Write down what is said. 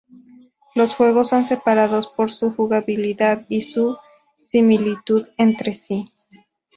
Los juegos son separados por su jugabilidad y la similitud entre sí.